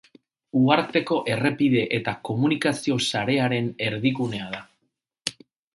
Uharteko errepide eta komunikazio-sarearen erdigunea da.